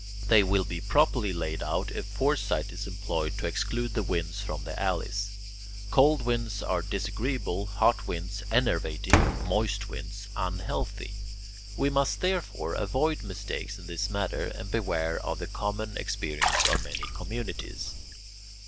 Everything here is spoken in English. They will be properly laid out if foresight is employed to exclude the winds from the alleys. Cold winds are disagreeable, hot winds enervating, moist winds unhealthy. We must, therefore, avoid mistakes in this matter and beware of the common experience of many communities.